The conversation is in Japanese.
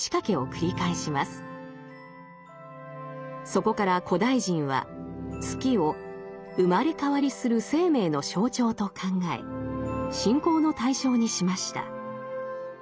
そこから古代人は月を生まれ変わりする生命の象徴と考え信仰の対象にしました。